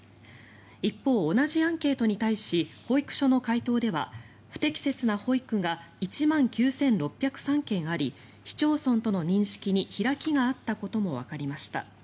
一方、同じアンケートに対し保育所の回答では不適切な保育が１万９６０３件あり市町村との認識に開きがあったこともわかりました。